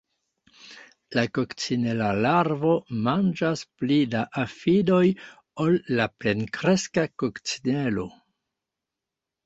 La kokcinela larvo manĝas pli da afidoj ol la plenkreska kokcinelo.